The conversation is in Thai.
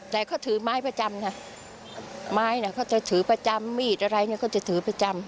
แต่เขาถือไม้ประจำนะไม้น่ะเขาจะถือประจำมีดอะไรเนี่ยเขาจะถือประจำ